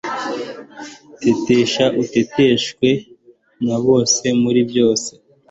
tetesha uteteshwe na bose muri byose